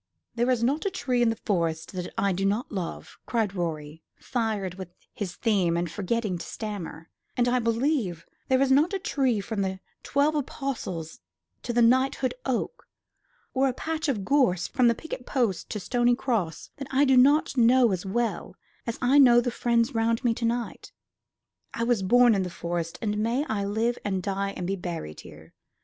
"There is not a tree in the Forest that I do not love," cried Rorie, fired with his theme, and forgetting to stammer; "and I believe there is not a tree, from the Twelve Apostles to the Knightwood Oak, or a patch of gorse from Picket Post to Stony Cross, that I do not know as well as I know the friends round me to night. I was born in the Forest, and may I live and die and be buried here.